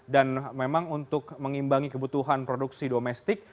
dan memang untuk mengimbangi kebutuhan produksi domestik